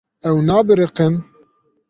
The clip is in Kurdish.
Ew nebiriqîn.